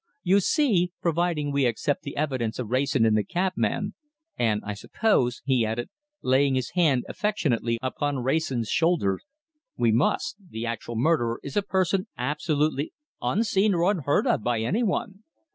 You see, providing we accept the evidence of Wrayson and the cabman, and I suppose," he added, laying his hand affectionately upon Wrayson's shoulder, "we must, the actual murderer is a person absolutely unseen or unheard of by any one.